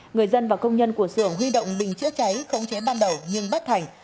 người dân và công nhân của xưởng huy động bình chữa cháy không chế ban đầu nhưng bắt thành